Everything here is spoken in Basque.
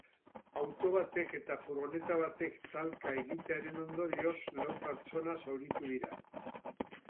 Auto batek eta furgoneta batek talka egitearen ondorioz lau pertsona zauritu dira.